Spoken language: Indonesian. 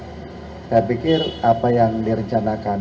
saya pikir apa yang direncanakan